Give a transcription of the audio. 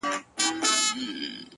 د شنو خالونو د ټومبلو کيسه ختمه نه ده،